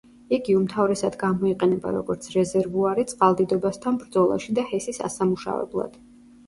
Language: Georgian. იგი უმთავრესად გამოიყენება როგორც რეზერვუარი, წყალდიდობასთან ბრძოლაში და ჰესის ასამუშავებლად.